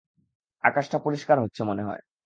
আকাশটা পরিষ্কার হচ্ছে, মনেহয়।